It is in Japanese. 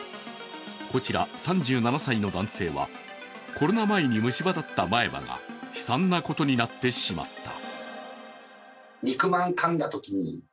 こちら、３７歳の男性はコロナ前に虫歯だった前歯が悲惨なことになってしまった。